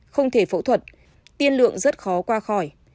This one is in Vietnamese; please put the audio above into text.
không thể phẫu thuật tiên lượng rất khó qua khỏi